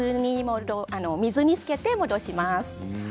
水に、つけて戻します。